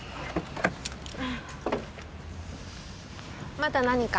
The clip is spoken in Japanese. まだ何か？